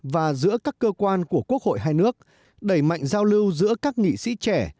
và giữa các cơ quan của quốc hội hai nước đẩy mạnh giao lưu giữa các nghị sĩ trẻ